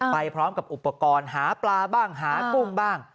ไปพร้อมกับอุปกรณ์หาปลาบ้างหากุ้งบ้าง